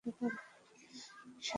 সারা তো তোমার সাথে থাকার কথা!